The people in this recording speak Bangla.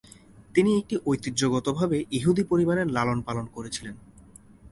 তিনি একটি ঐতিহ্যগতভাবে ইহুদি পরিবারে লালন-পালন করেছিলেন।